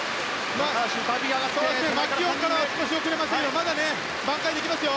マキュオンから少し遅れたけどまだ、挽回できますよ。